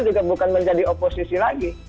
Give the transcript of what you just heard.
juga bukan menjadi oposisi lagi